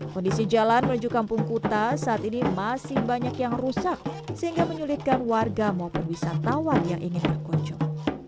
kondisi jalan menuju kampung kuta saat ini masih banyak yang rusak sehingga menyulitkan warga maupun wisatawan yang ingin berkunjung